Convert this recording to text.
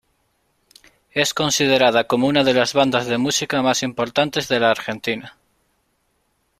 Es considerada como una de las bandas de música más importantes de la Argentina.